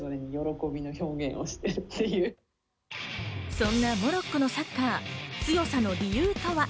そんなモロッコのサッカー、強さの理由とは？